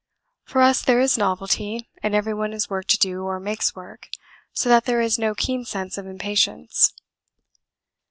For us there is novelty, and everyone has work to do or makes work, so that there is no keen sense of impatience.